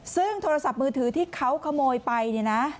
ซึ่งโทรศัพท์มือถือที่เขาขโมยไปเนี่ยนะ